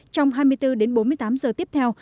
trong hai mươi bốn h đến bốn mươi tám h tiếp theo